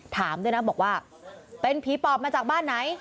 ถามด้วยนะบอกว่าเป็นผีปอบมาจากบ้านไหน